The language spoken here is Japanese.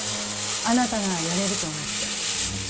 あなたならやれると思って。